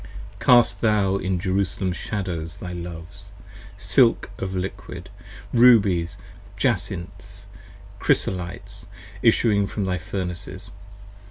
Cast thou in Jerusalem's shadows thy Loves; silk of liquid 20 Rubies, Jacinths, Crysolites, issuing from thy Furnaces.